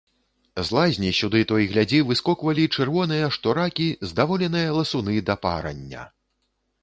З лазні сюды то й глядзі выскоквалі чырвоныя, што ракі, здаволеныя ласуны да парання.